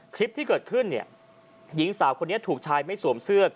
คลิปที่เกิดขึ้นเนี่ยหญิงสาวคนนี้ถูกชายไม่สวมเสื้อ